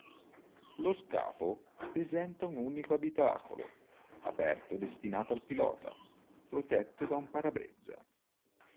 Lo scafo presentava un unico abitacolo aperto destinato al pilota protetto da un parabrezza.